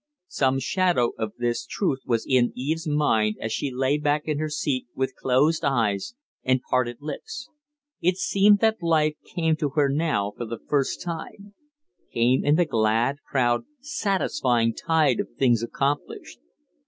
Some shadow of this truth was in, Eve's mind as she lay back in her seat with closed eyes, and parted lips. It seemed that life came to her now for the first time came in the glad, proud, satisfying tide of things accomplished.